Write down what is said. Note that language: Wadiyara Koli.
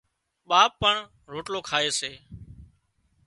ٻاپ پڻ روٽلو کائي سي